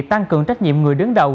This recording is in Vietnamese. tăng cường trách nhiệm người đứng đầu